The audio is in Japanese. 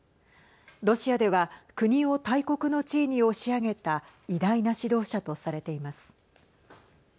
ロシアでは国を大国の地位に押し上げた偉大な指導者とされています。